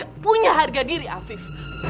tapi punya harga diri afif